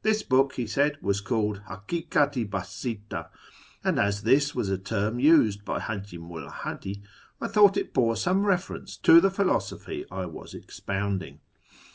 This book, he said, was called ' Hahikat i Basita,' and, as this was a term used by Haji Mulla Hadi, I thought it bore some reference to the philosophy I was expounding.